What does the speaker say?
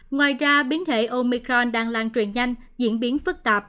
ngoài ra biến thể omicron đang lan truyền nhanh diễn biến phức tạp